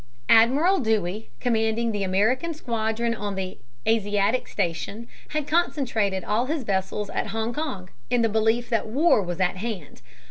Admiral Dewey, commanding the American squadron on the Asiatic station, had concentrated all his vessels at Hong Kong, in the belief that war was at hand.